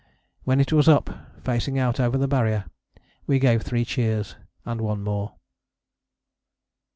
When it was up, facing out over the Barrier, we gave three cheers and one more."